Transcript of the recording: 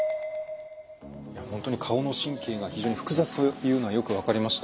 本当に顔の神経が非常に複雑というのはよく分かりました。